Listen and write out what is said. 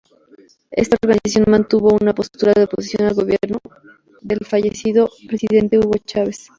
Ésta organización mantuvo una postura de oposición al gobierno del fallecido presidente Hugo Chávez.